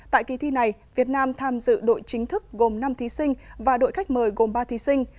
tại kỳ thi này việt nam tham dự đội chính thức gồm năm thí sinh và đội khách mời gồm ba thí sinh